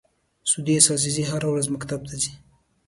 سُدیس عزیزي هره ورځ مکتب ته ځي.